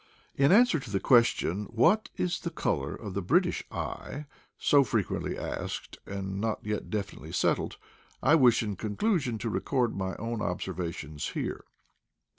In answer to the question, What is the color of the British eyef so frequently asked, and not yet definitely settled, I wish, in conclusion, to record my own observations here.